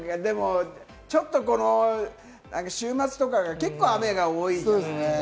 ちょっと、この週末とかが結構雨が多いじゃない。